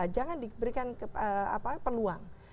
jangan diberikan peluang